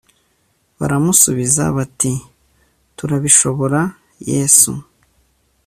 baramusubiza bati “turabishobora yesu”